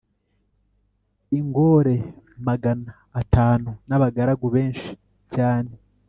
ingore magana atanu, n’abagaragu benshi cyane